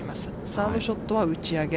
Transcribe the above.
サードショットは打ち上げ。